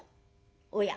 おや？